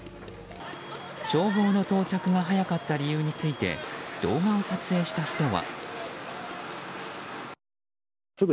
消防の到着が早かった理由について動画を撮影した人は。